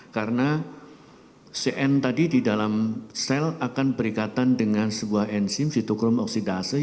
karena nacn tadi di dalam sel akan berikatan dengan sebuah enzim sitokrom oksidasi